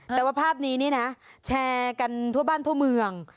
แต่ว่าภาพนี้นี่นะแชร์กันทั่วบ้านทั่วเมือง